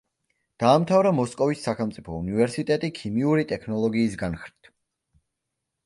დაამთავრა მოსკოვის სახელმწიფო უნივერსიტეტი ქიმიური ტექნოლოგიის განხრით.